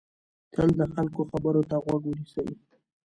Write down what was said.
تل د خلکو خبرو ته غوږ ونیسئ.